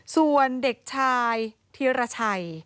ส่วนเด็กชายธีรชัย